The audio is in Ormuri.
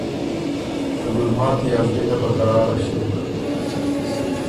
ته ګلماتی ا زلی ګه په قراره ݭیوک۔